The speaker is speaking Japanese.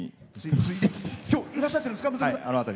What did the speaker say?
今日いらっしゃってるんですか。